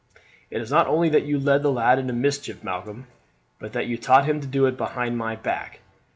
"It is not only that you led the lad into mischief, Malcolm, but that you taught him to do it behind my back."